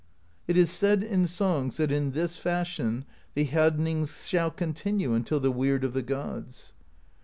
It is said in songs that in this fashion the Hjadnings shall continue unto the Weird of the Gods.